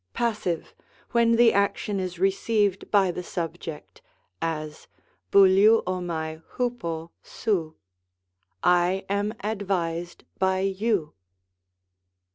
Passive, when the action is received by the subject, as, ^ovXtvofcac vtvo 6ov^ "I am advised by you.''